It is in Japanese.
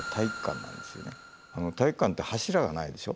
体育館って柱がないでしょ？